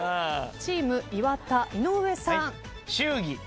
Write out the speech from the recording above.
チーム岩田井上さん。